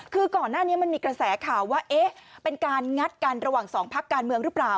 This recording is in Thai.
คือก่อนหน้านี้มันมีกระแสข่าวว่าเอ๊ะเป็นการงัดกันระหว่างสองพักการเมืองหรือเปล่า